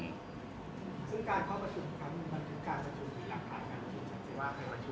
ซึ่งการเข้าประชุมมันคือการประชุมหรือหลักฐานการประชุม